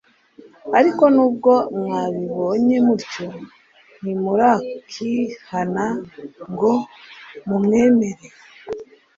ariko nubwo mwabibonye mutyo, ntimurakihaua ngo mumwemere."